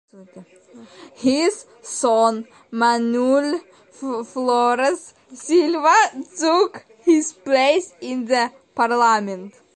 His son, Manuel Flores Silva, took his place in the Parliament.